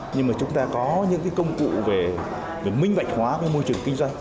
nhưng mà chúng ta có những công cụ về minh vạch hóa của môi trường kinh doanh